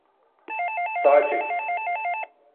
Sağa çek!